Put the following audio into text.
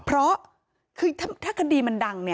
ชาวบ้านในพื้นที่บอกว่าปกติผู้ตายเขาก็อยู่กับสามีแล้วก็ลูกสองคนนะฮะ